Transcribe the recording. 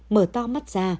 mở to mắt ra